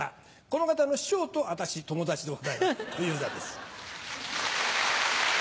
この方の師匠と私友達でございます小遊三です。